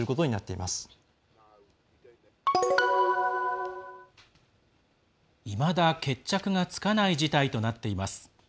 いまだ決着がつかない事態となっています。